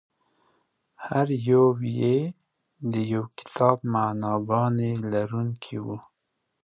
هر یو یې د یو کتاب معناګانې لرونکي وو.